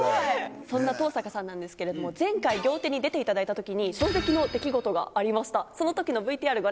そんな登坂さんなんですけど、前回、仰天に出ていただいたときに、衝撃の出来事がありました。